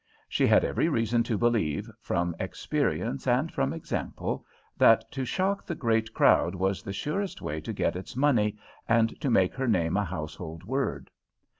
She had every reason to believe, from experience and from example, that to shock the great crowd was the surest way to get its money and to make her name a household word.